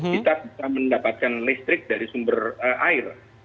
kita bisa mendapatkan listrik dari sumber air